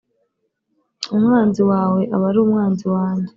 Umwanzi wawe aba ari umwanzi wanjye